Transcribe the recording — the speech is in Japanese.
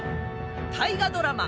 大河ドラマ